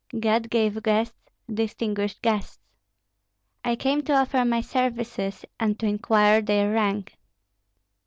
"God gave guests, distinguished guests. I came to offer my services and to inquire their rank."